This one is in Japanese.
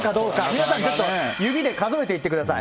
皆さん、ちょっと、指で数えていってください。